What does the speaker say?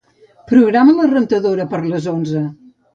Programa la rentadora per a les onze.